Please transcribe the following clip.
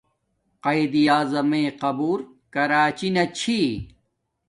قایداعظمݵ قبر کراچی نا چھی